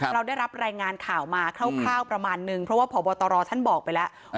เราได้รับรายงานข่าวมาคร่าวประมาณนึงเพราะว่าพบตรท่านบอกไปแล้ว